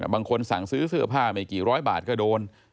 บางคนสั่งซื้อเสื้อผ้าไม่กี่ร้อยบาทก็โดน